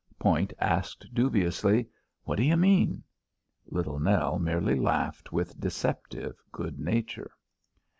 Point asked dubiously, "What do you mean?" Little Nell merely laughed with deceptive good nature.